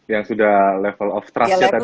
yang sudah level of trustnya tadi